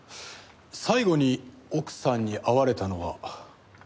最後に奥さんに会われたのは？